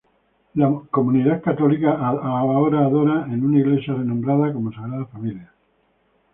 La comunidad católica ahora adora en una iglesia, renombrada como Sagrada Familia.